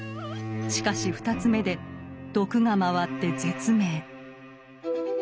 しかし２つ目で毒がまわって絶命。